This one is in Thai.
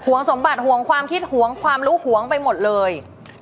วงสมบัติห่วงความคิดหวงความรู้หวงไปหมดเลย